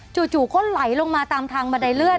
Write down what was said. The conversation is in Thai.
จู่ก็ไหลลงมาตามทางบันไดเลื่อน